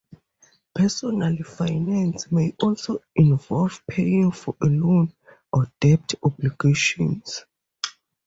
Personal finance may also involve paying for a loan, or debt obligations.